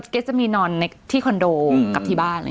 เกสจะมีนอนในที่คอนโดกลับที่บ้าน